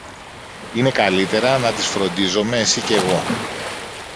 είναι καλύτερα να τις φροντίζομε εσυ κι εγώ